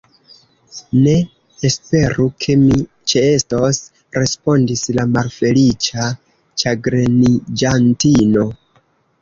Ne esperu, ke mi ĉeestos, respondis la malfeliĉa ĉagreniĝantino.